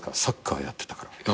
サッカーやってたから。